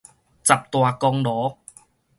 十大功勞